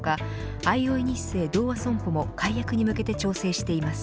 あいおいニッセイ同和損保も解約に向けて調整しています。